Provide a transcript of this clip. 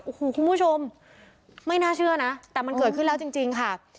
โอ้โหคุณผู้ชมไม่น่าเชื่อนะแต่มันเกิดขึ้นแล้วจริงค่ะ